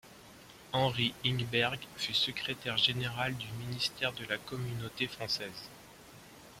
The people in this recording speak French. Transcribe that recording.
Henry Ingberg fut secrétaire général du Ministère de la Communauté française.